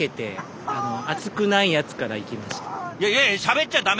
いやいやしゃべっちゃ駄目！